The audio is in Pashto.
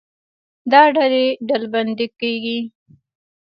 دا ډلې ډلبندي کېږي.